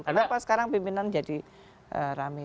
kenapa sekarang pimpinan jadi rame